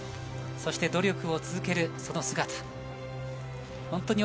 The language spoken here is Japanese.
そして努力を続けるその姿。